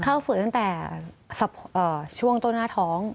เฝือตั้งแต่ช่วงต้นหน้าท้อง